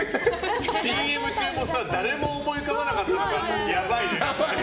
ＣＭ中も誰も思い浮かばなかったのがやばいよね。